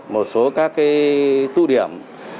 một số các tụ điểm